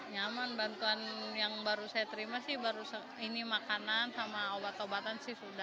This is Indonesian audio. nyaman bantuan yang baru saya terima sih baru ini makanan sama obat obatan sih sudah